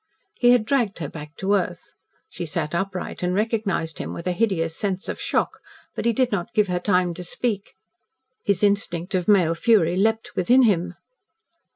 He had dragged her back to earth. She sat upright and recognised him with a hideous sense of shock, but he did not give her time to speak. His instinct of male fury leaped within him.